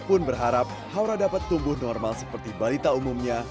pun berharap haura dapat tumbuh normal seperti balita umumnya